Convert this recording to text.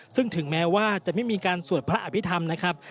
ซึ่งถึงแม้ว่าจะไม่มีการสวดพระอภิษฐรรมนะครับ